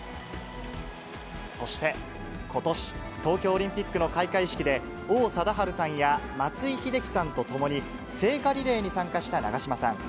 そしてことし、東京オリンピックの開会式で、王貞治さんや松井秀喜さんと共に聖火リレーに参加した長嶋さん。